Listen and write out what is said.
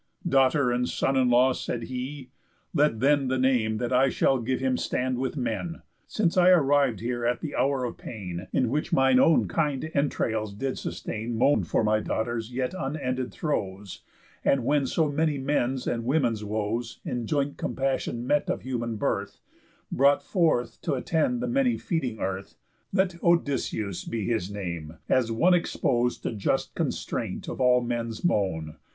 "Daughter and son in law," said he, "let then The name that I shall give him stand with men. Since I arriv'd here at the hour of pain, In which mine own kind entrails did sustain Moan for my daughter's yet unended throes, And when so many men's and women's woes, In joint compassion met of human birth, Brought forth t' attend the many feeding earth, Let Odyssëus be his name, as one Expos'd to just constraint of all men's moan.